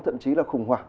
thậm chí là khủng hoảng